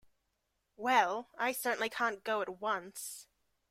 Well, I certainly can't go at once.